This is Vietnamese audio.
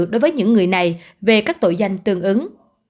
đối với những người này về các tội danh tương ứng